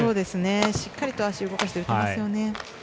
しっかりと足を動かして打っていますよね。